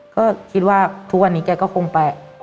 ก็คิดว่าทุกวันนี้แกก็คงไป